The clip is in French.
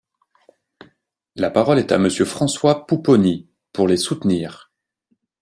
La parole est à Monsieur François Pupponi, pour les soutenir.